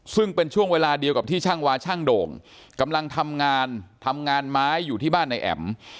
ซึ่งเป็นช่วงเวลาเดียวกับที่ช่างวาช่างโด่งกำลังทำงานทำงานไม้อยู่ที่บ้านนายแอ๋ม